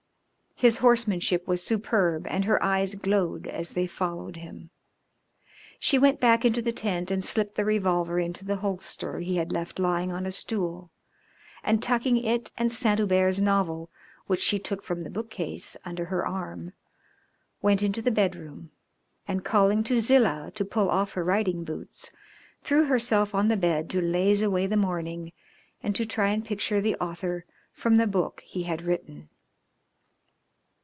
His horsemanship was superb and her eyes glowed as they followed him. She went back into the tent and slipped the revolver into the holster he had left lying on a stool, and, tucking it and Saint Hubert's novel, which she took from the bookcase, under her arm, went into the bed room and, calling to Zilah to pull off her riding boots, threw herself on the bed to laze away the morning, and to try and picture the author from the book he had written.